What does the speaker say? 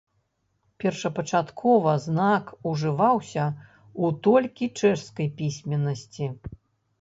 Першапачаткова знак ужываўся ў толькі чэшскай пісьменнасці.